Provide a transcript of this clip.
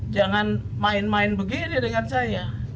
jangan main main begini dengan saya